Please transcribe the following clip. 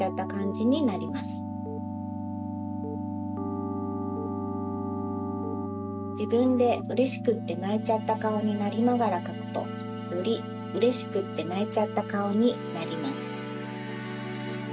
じぶんでうれしくってないちゃったかおになりながらかくとよりうれしくってないちゃったかおになります。